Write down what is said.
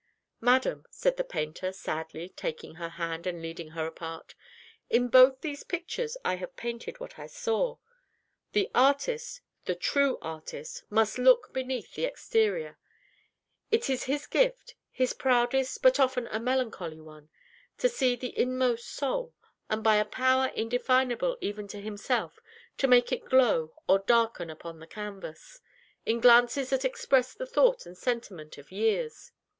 "Madam," said the painter, sadly, taking her hand, and leading her apart, "in both these pictures I have painted what I saw. The artist the true artist must look beneath the exterior. It is his gift his proudest but often a melancholy one to see the inmost soul, and by a power indefinable even to himself to make it glow or darken upon the canvas, in glances that express the thought and sentiment of years.